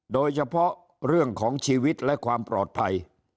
โดยเฉพาะเรื่องของชีวิตและความปลอดภัย